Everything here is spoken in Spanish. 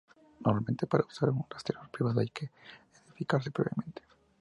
Normalmente para usar un rastreador privado hay que identificarse previamente.